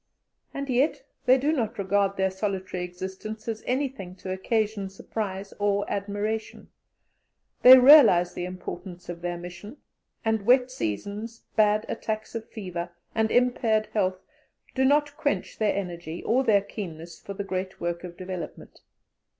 And yet they do not regard their solitary existence as anything to occasion surprise or admiration; they realize the importance of their mission, and wet seasons, bad attacks of fever, and impaired health, do not quench their energy or their keenness for the great work of development.